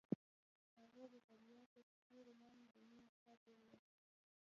هغې د دریا تر سیوري لاندې د مینې کتاب ولوست.